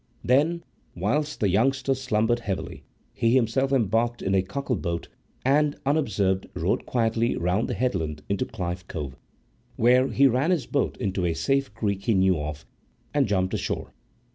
Then, whilst the youngster slumbered heavily, he himself embarked in a cockle boat and, unobserved, rowed quietly round the headland, into Clyffe cove, where he ran his boat into a safe creek he knew of, and jumped ashore.